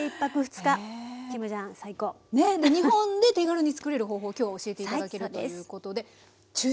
日本で手軽につくれる方法を今日教えて頂けるということで。